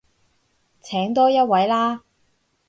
請多一位啦